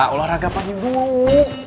olahraga pagi dulu